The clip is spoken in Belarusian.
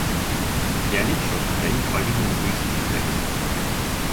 Я лічу да іх павінен быць і тэкст.